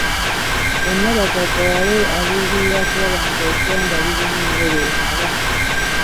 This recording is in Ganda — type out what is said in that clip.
Bonna bagaggawale aluubirira kulaba nga eggwanga lirimu emmere emala.